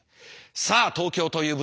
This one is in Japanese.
さあ東京という舞台だ！